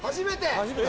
初めて？